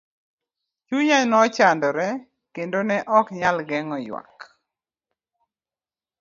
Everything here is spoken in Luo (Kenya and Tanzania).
Chunya nochandore kendo ne okanyal geng'o ywak.